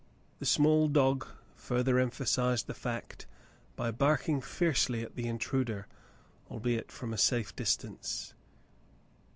The small dog further emphasized the fact by barking fiercely at the intruder, albeit from a safe distance.